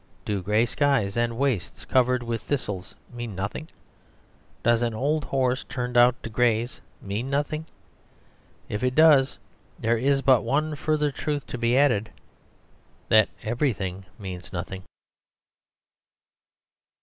Do grey skies and wastes covered with thistles mean nothing? Does an old horse turned out to graze mean nothing? If it does, there is but one further truth to be added that everything means nothing.